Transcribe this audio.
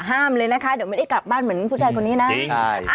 ห้ามเลยนะคะเดี๋ยวไม่ได้กลับบ้านเหมือนผู้ชายคนนี้นะ